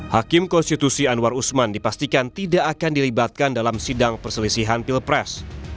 hakim konstitusi anwar usman dipastikan tidak akan dilibatkan dalam sidang perselisihan pilpres